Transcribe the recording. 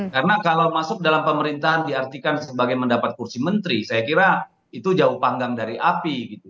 karena kalau masuk dalam pemerintahan diartikan sebagai mendapat kursi menteri saya kira itu jauh panggang dari api gitu